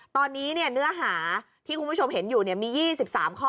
ตอนนี้เนื้อหาที่คุณผู้ชมเห็นอยู่มี๒๓ข้อ